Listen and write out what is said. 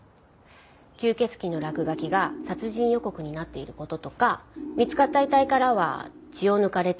吸血鬼の落書きが殺人予告になっている事とか見つかった遺体からは血を抜かれていた事とか。